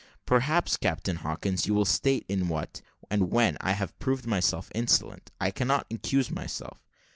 "Perhaps, Captain Hawkins, you will state in what, and when, I have proved myself insolent. I cannot accuse myself."